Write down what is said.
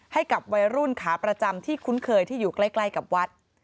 ให้กับวัยรุ่นขาประจำที่คุ้นเคยที่อยู่ใกล้กับวัด